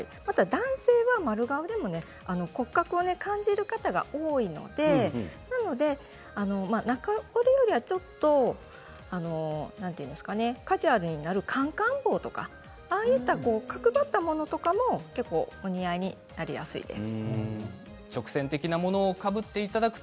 男性は丸顔の骨格を感じる方が多いので、中折れよりはちょっとカジュアルになるカンカン帽とかああいった角張ったものとかも結構お似合いになりやすいです。